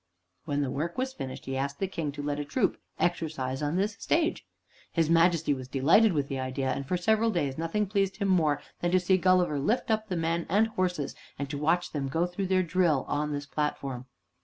When the work was finished, he asked the King to let a troop exercise on this stage. His Majesty was delighted with the idea, and for several days nothing pleased him more than to see Gulliver lift up the men and horses, and to watch them go through their drill on this platform.